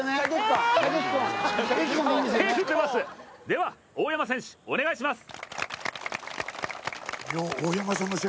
では大山選手、お願いします